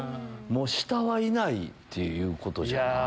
下はいないってことじゃない？